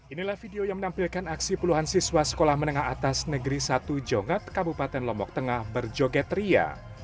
inilah video yang menampilkan aksi puluhan siswa sekolah menengah atas negeri satu jongat kabupaten lombok tengah berjoget ria